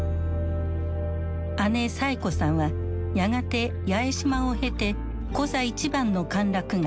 姉・サエ子さんはやがて八重島を経てコザ一番の歓楽街